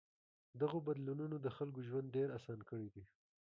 دغو بدلونونو د خلکو ژوند ډېر آسان کړی دی.